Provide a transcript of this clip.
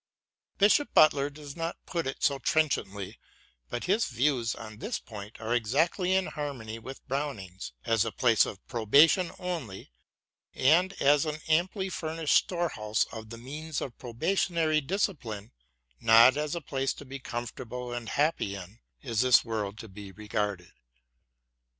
Bishop Butler does not 2o6 BROWNING AND BUTLER put it so trenchantly, but his views on this point are exactly in harmony with Browning's : as a place of probation only, and as an amply furnished storehouse of the means of probationary discipline, not as a place to be comfortable and happy in, is this world to be regarded.